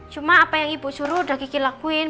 cuma apa yang ibu suruh udah kiki lakuin